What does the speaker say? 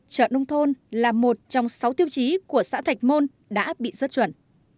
chợ nông thôn là một trong sáu tiêu chí của xã thạch môn đã bị rớt chuẩn